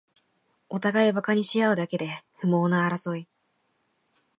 おたがいバカにしあうだけで不毛な争い